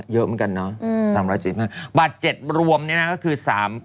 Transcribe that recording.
เยอะเหมือนกันเนาะ๓๗๕บาท๗รวมนี้ก็คือ๓๖๑๒